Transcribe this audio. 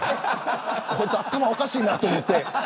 こいつ頭おかしいなと思って。